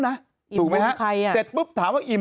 ใช่ไหมทางซายเนี่ย